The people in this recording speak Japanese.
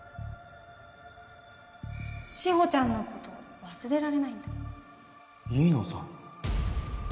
志保ちゃんのこと忘れられな飯野さん？